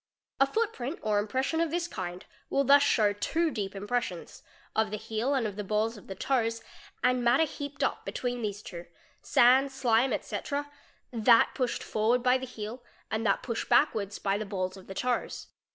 A footprint or impression of this kind will thus show two deep im pressions—of the heel and of the balls of the toes; and matter heaped — up between these two, sand, slime, etc.—that pushed forward by the heel and that push backwards by the balls of the toes.